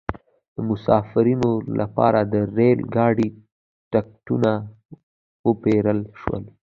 د مسافرینو لپاره د ریل ګاډي ټکټونه وپیرل شول.